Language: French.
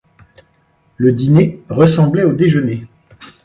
Le dîner ressemblait au déjeuner.